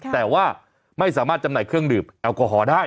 แต่ว่าไม่สามารถจำหน่ายเครื่องดื่มแอลกอฮอล์ได้